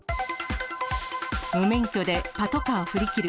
無免許でパトカー振り切る。